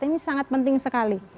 ini sangat penting sekali